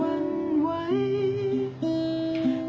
ไม่ใช่ความทรงจำ